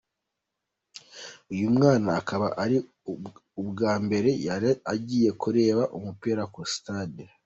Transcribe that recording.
Uyu mwana akaba ari ubwa mbere yari agiye kureba umupira ku stade.